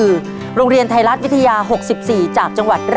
ทางโรงเรียนยังได้จัดซื้อหม้อหุงข้าวขนาด๑๐ลิตร